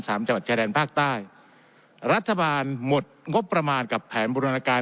จังหวัดชายแดนภาคใต้รัฐบาลหมดงบประมาณกับแผนบูรณาการ